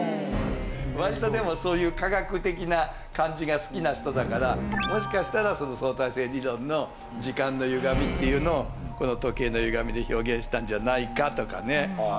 割とでもそういう科学的な感じが好きな人だからもしかしたらその相対性理論の時間のゆがみっていうのをこの時計のゆがみで表現したんじゃないかとかね。